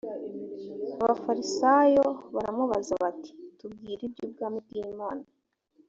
abafarisayo baramubaza bati tubwire iby’ubwami bw imana